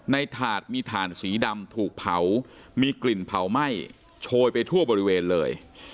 ถาดมีถ่านสีดำถูกเผามีกลิ่นเผาไหม้โชยไปทั่วบริเวณเลย